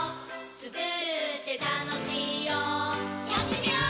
つくるってたのしいよやってみよー！